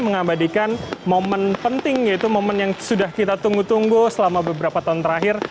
mengabadikan momen penting yaitu momen yang sudah kita tunggu tunggu selama beberapa tahun terakhir